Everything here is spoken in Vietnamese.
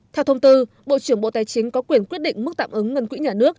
theo thông tư bộ trưởng bộ tài chính có quyền quyết định mức tạm ứng ngân quỹ nhà nước